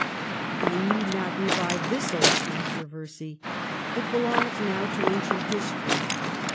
I need not revive this old controversy. It belongs now to ancient history.